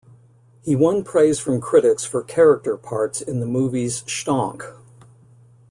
He won praise from critics for character parts in the movies Schtonk!